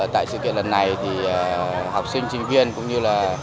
tại sự kiện lần này thì học sinh sinh viên cũng như là